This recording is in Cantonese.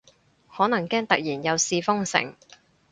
可能驚突然又試封城